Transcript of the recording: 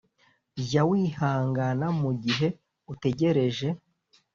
jya wihangana mu gihe utegereje